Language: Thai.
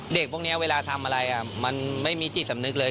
เด็กพวกนี้เวลาทำอะไรมันไม่มีจิตสำนึกเลย